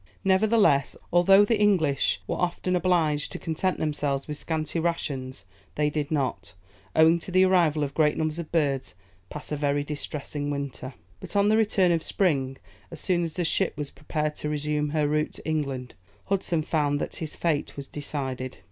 Nevertheless, although the English were often obliged to content themselves with scanty rations, they did not, owing to the arrival of great numbers of birds, pass a very distressing winter. But, on the return of spring, as soon as the ship was prepared to resume her route to England, Hudson found that his fate was decided.